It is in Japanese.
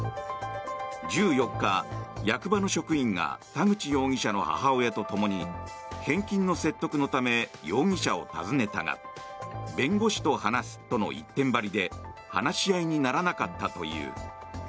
１４日、役場の職員が田口容疑者の母親とともに返金の説得のため容疑者を訪ねたが弁護士と話すとの一点張りで話し合いにならなかったという。